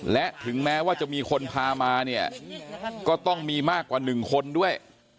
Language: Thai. และถึงแม้ว่าจะมีคนพามาเนี่ยก็ต้องมีมากกว่า๑คนด้วย